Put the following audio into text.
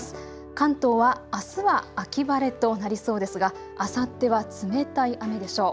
関東はあすは秋晴れとなりそうですがあさっては冷たい雨でしょう。